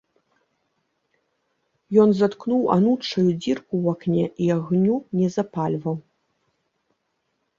Ён заткнуў анучаю дзірку ў акне і агню не запальваў.